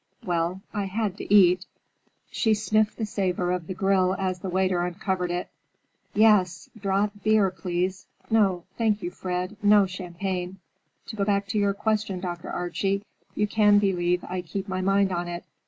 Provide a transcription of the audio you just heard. Well, I had to eat." She sniffed the savor of the grill as the waiter uncovered it. "Yes, draught beer, please. No, thank you, Fred, no champagne.—To go back to your question, Dr. Archie, you can believe I keep my mind on it.